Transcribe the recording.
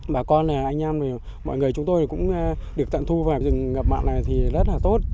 bà con anh em này mọi người chúng tôi cũng được tận thu vào rừng ngập mặn này thì rất là tốt